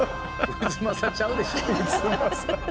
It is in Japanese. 太秦ちゃうでしょ。